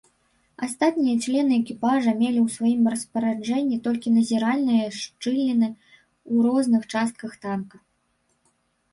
Астатнія члены экіпажа мелі ў сваім распараджэнні толькі назіральныя шчыліны ў розных частках танка.